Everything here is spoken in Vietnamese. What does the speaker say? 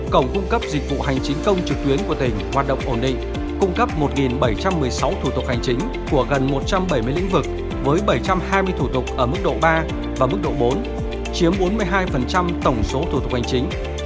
cổng cung cấp dịch vụ hành chính công trực tuyến của tỉnh hoạt động ổn định cung cấp một bảy trăm một mươi sáu thủ tục hành chính của gần một trăm bảy mươi lĩnh vực với bảy trăm hai mươi thủ tục ở mức độ ba và mức độ bốn chiếm bốn mươi hai tổng số thủ tục hành chính